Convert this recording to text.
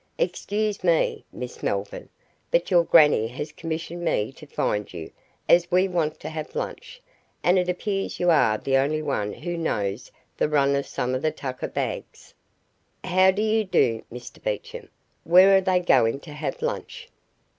"Excuse me, Miss Melvyn, but your grannie has commissioned me to find you as we want to have lunch, and it appears you are the only one who knows the run of some of the tucker bags." "How do you do, Mr Beecham? Where are they going to have lunch?"